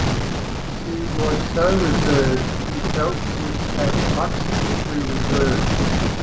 She was so reserved, he felt she had much to reserve.